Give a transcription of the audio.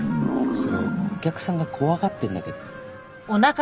それお客さんが怖がってんだけど。